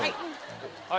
はい！